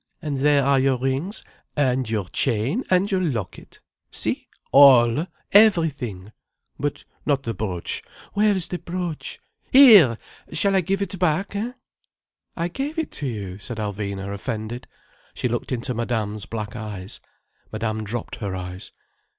"And there are your rings, and your chain, and your locket—see—all—everything—! But not the brooch. Where is the brooch? Here! Shall I give it back, hein?" "I gave it to you," said Alvina, offended. She looked into Madame's black eyes. Madame dropped her eyes.